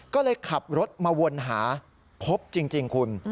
ก็เลยขับรถมาวนหาพบจริงคุณ